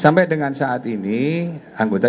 sampai dengan saat ini anggota